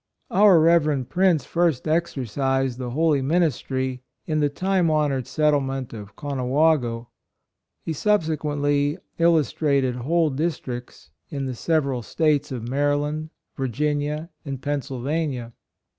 Our Rev. Prince first exercised the holy ministry in the time hon ored settlement of Conawago. He subsequently illustrated whole dis tricts in the several States of Mary land, Virginia and Pennsylvania.